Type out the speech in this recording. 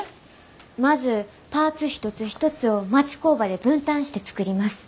まずパーツ一つ一つを町工場で分担して作ります。